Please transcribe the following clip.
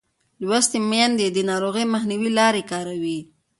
لوستې میندې د ناروغۍ مخنیوي لارې کاروي.